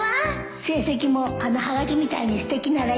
成績もあのはがきみたいにすてきならいいのにね